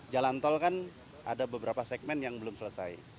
jalan tol kan ada beberapa segmen yang belum selesai